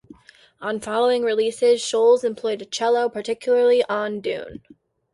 On following releases Schulze employed a cello, particularly on "Dune".